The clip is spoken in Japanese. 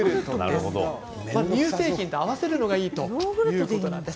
乳製品と合わせるのがいいということです。